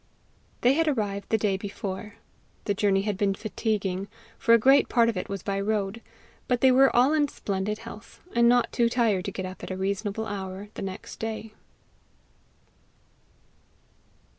They had arrived the day before. The journey had been fatiguing, for a great part of it was by road; but they were all in splendid health, and not too tired to get up at a reasonable hour the next day.